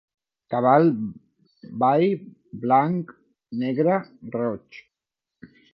Cavall bai, blanc, negre, roig.